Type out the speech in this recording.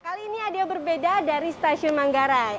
kali ini ada yang berbeda dari stasiun manggarai